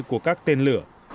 của các tên lửa